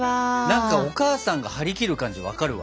何かお母さんが張り切る感じ分かるわ。